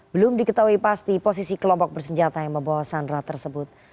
belum diketahui pasti posisi kelompok bersenjata yang membawa sandra tersebut